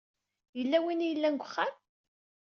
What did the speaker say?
Yella win i yellan deg uxxam?